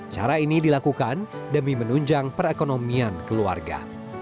cara ini dilakukan demi menunjang perekonomian keluarga